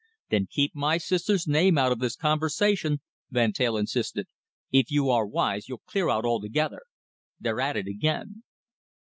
"Then keep my sister's name out of this conversation," Van Teyl insisted. "If you are wise, you'll clear out altogether. They're at it again."